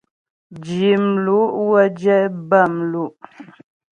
Zhi mlu' wə́ jɛ bâmlu'.